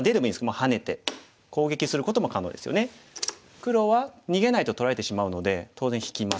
黒は逃げないと取られてしまうので当然引きます。